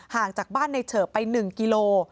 ห่างจากบ้านในเฉิบไป๑กิโล